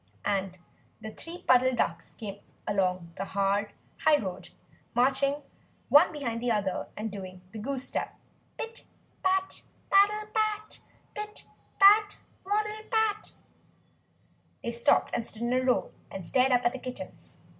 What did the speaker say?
and the three Puddle Ducks came along the hard high road, marching one behind the other and doing the goose step pit pat paddle pat! pit pat waddle pat! They stopped and stood in a row, and stared up at the kittens.